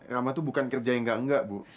rama tuh bukan kerja yang enggak enggak bu